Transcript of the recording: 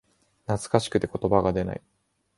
懐かしくて言葉が出ない